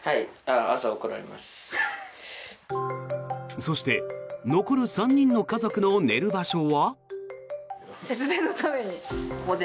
そして、残る３人の家族の寝る場所は。